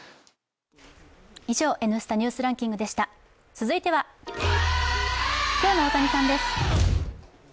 続いては、今日の大谷さんです。